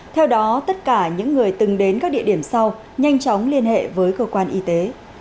theo đó tất cả những người từng đến các địa điểm sau nhanh chóng liên hệ với cơ quan y tế